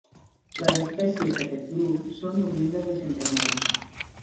Les espècies d'aquest grup són oriündes de Centreamèrica.